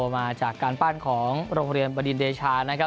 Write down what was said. มาจากการปั้นของโรงเรียนบอดินเดชา